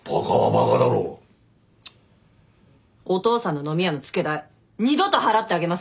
お父さんの飲み屋の付け代二度と払ってあげませんから！